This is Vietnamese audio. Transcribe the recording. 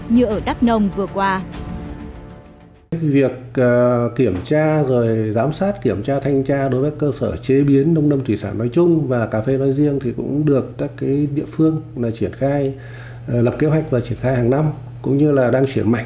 như ở đắk nông vừa qua